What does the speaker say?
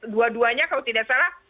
dua duanya kalau tidak salah